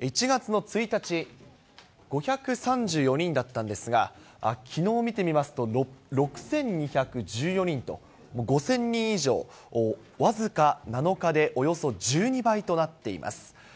１月の１日、５３４人だったんですが、きのう見てみますと６２１４人と、５０００人以上、僅か７日でおよそ１２倍となっています。